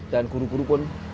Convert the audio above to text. dan guru guru pun